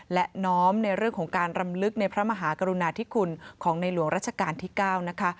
และน้อมในเรื่องของการรำลึกในพระมหากรุณาธิคุณของในหลวงราชการที่๙นะคะ